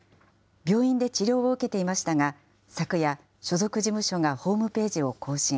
病院で治療を受けていましたが、昨夜、所属事務所がホームページを更新。